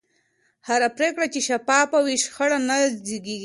هره پرېکړه چې شفافه وي، شخړه نه زېږي.